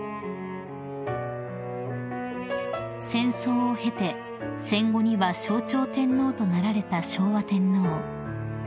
［戦争を経て戦後には象徴天皇となられた昭和天皇］